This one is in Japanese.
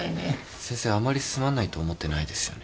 先生あまりすまないと思ってないですよね。